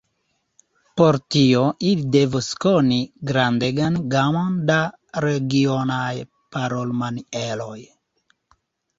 Por tio, ili devus koni grandegan gamon da regionaj parolmanieroj.